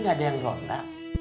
gak ada yang ronda